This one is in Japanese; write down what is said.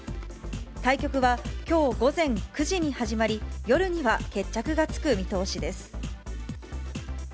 対局は、きょう午前９時に始まり、夜には決着がつく見通しです。